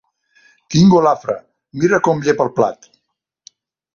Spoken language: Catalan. Quin golafre: mira com llepa el plat!